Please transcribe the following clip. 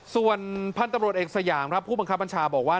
ส่วนพันธุ์ตำรวจเอกสยามครับผู้บังคับบัญชาบอกว่า